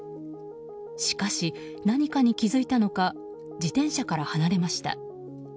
しかし、何かに気付いたのか自転車から離れました。